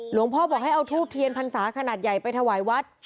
หลวงพ่อบอกให้เอาทูบเทียนพรรษาขนาดใหญ่ไปถวายวัด